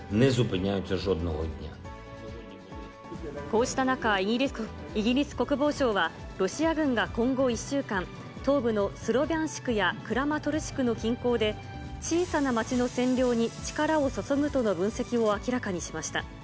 こうした中、イギリス国防省は、ロシア軍が今後１週間、東部のスロビャンシクやクラマトルシクの近郊で、小さな町の占領に力を注ぐとの分析を明らかにしました。